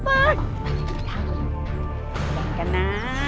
สงบกันนะ